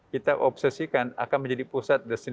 kita obsesikan akan menjadi pusat destinasi